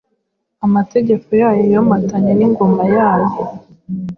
Amategeko yayo yomatanye n’ingoma yayo,